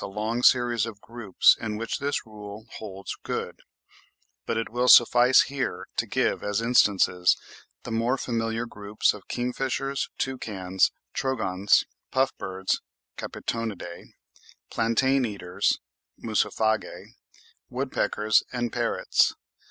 a long series of groups in which this rule holds good; but it will suffice here to give, as instances, the more familiar groups of kingfishers, toucans, trogons, puff birds (Capitonidae), plantain eaters (Musophagae, woodpeckers, and parrots.